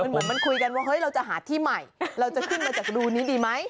เหมือนมันคุยกันว่าเฮ้ยเราจะหาที่ใหม่เราจะขึ้นมาจากรูนี้ดีไหม